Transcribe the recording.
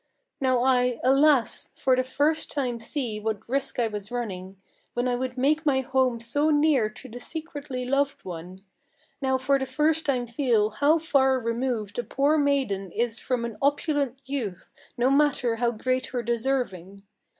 Now I, alas! for the first time see what risk I was running, When I would make my home so near to the secretly loved one; Now for the first time feel how far removed a poor maiden Is from an opulent youth, no matter how great her deserving.